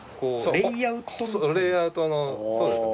レイアウトのそうですね。